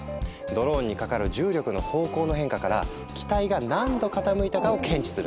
ドローンにかかる重力の方向の変化から機体が何度傾いたかを検知するんだ。